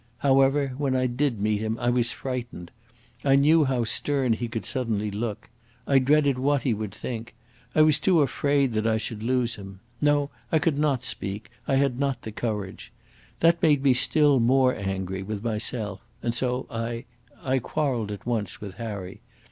However, when I did meet him I was frightened. I knew how stern he could suddenly look. I dreaded what he would think. I was too afraid that I should lose him. No, I could not speak; I had not the courage. That made me still more angry with myself, and so I I quarrelled at once with Harry.